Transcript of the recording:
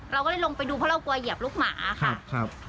เราก็เลยลงไปดูเพราะเรากลัวเหยียบลูกหมาค่ะ